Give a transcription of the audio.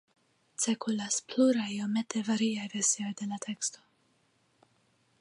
Cirkulas pluraj iomete variaj versioj de la teksto.